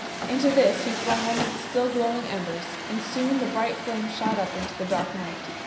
Into this he flung one of the still glowing embers, and soon the bright flames shot up into the dark night.